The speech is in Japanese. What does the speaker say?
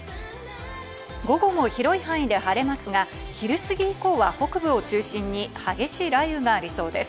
午後も広い範囲で晴れますが、昼過ぎ以降は北部を中心に激しい雷雨がありそうです。